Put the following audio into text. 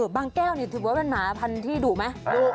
แก้วนี่ถือว่าเป็นหมาพันธุ์ที่ดุไหม